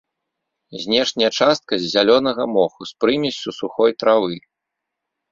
Знешняя частка з зялёнага моху з прымессю сухой травы.